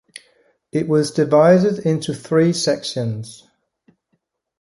It was divided into three sections.